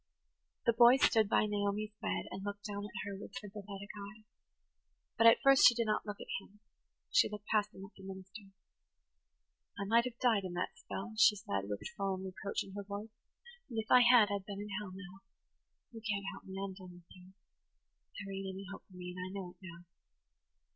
The boy stood by Naomi's bed and looked down at her with sympathetic eyes. But at first she did not look at him–she looked past him at the minister. "I might have died in that spell," she said, with sullen reproach in her voice, "and if I had I'd been in hell now. You can't help me–I'm done with you. There ain't any hope for me, and I know it now."